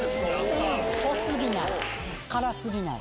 濃すぎない、辛すぎない。